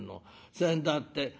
せんだって